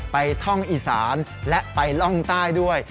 ท่องอีสานและไปล่องใต้ด้วย